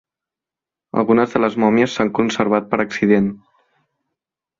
Algunes de les mòmies s'han conservat per accident.